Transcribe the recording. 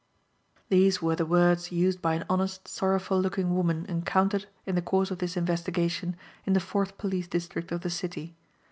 These were the words used by an honest, sorrowful looking woman encountered, in the course of this investigation, in the fourth police district of the city.